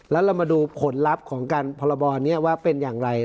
แล้วเรามาดูผลลัพธ์ของการพรบนี้ว่าเป็นอย่างไร